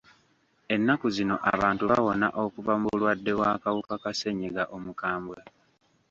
Ennaku zino abantu bawona okuva mu bulwadde bw'akawuka ka ssenyiga omukambwe.